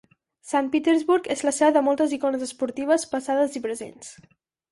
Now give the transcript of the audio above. Sant Petersburg és la seu de moltes icones esportives passades i presents.